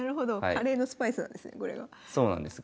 カレーのスパイスなんですね